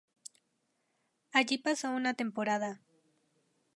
Allí, pasó una temporada.